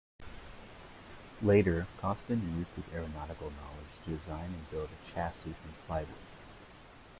Later, Costin used his aeronautical knowledge to design and build a chassis from plywood.